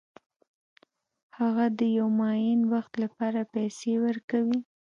هغه د یو معین وخت لپاره پیسې ورکوي